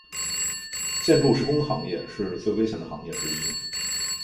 建筑施工行业是最危险的行业之一。